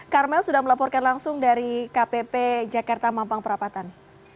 karmel sudah melaporkan langsung dari kpp jakarta mampang perapatan